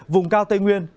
vùng cao tây nguyên